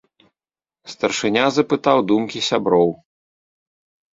Старшыня запытаў думкі сяброў.